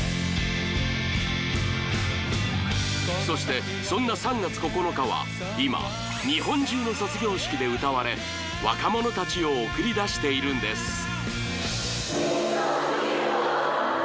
そしてそんな「３月９日」は今日本中の卒業式で歌われ若者たちを送り出しているんです